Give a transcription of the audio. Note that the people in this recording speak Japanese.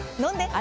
あ